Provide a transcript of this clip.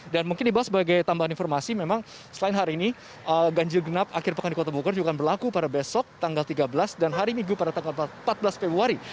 dan mungkin dibahas sebagai tambahan informasi memang selain hari ini ganjil genap akhir pekan di kota bogor juga akan berlaku pada besok tanggal tiga belas dan hari minggu pada tanggal empat belas februari